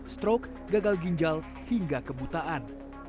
stroke gagal ginjal hingga kebutaan